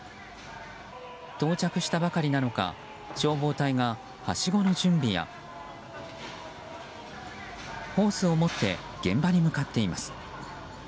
到着したばかりなのか消防隊がはしごの準備やホースを持って現場に向かっています。